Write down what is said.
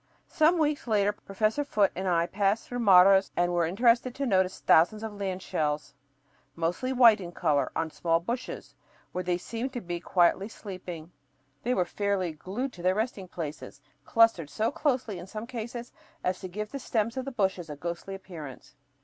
Some weeks later Professor Foote and I passed through Maras and were interested to notice thousands of land shells, mostly white in color, on small bushes, where they seemed to be quietly sleeping. They were fairly "glued to their resting places"; clustered so closely in some cases as to give the stems of the bushes a ghostly appearance.